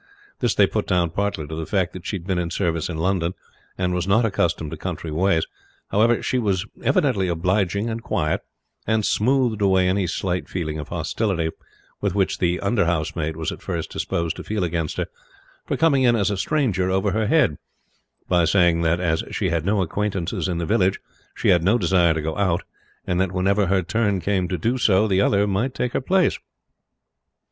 This they put down partly to the fact that she had been in service in London, and was not accustomed to country ways. However, she was evidently obliging and quiet, and smoothed away any slight feeling of hostility with which the under housemaid was at first disposed to feel against her for coming in as a stranger over her head, by saying that as she had no acquaintances in the village she had no desire to go out, and that whenever her turn came to do so the other might take her place.